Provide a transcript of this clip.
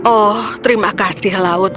oh terima kasih laut